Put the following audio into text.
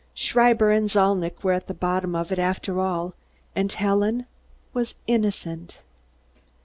Schreiber and Zalnitch were at the bottom of it, after all, and Helen was innocent.